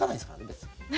別に。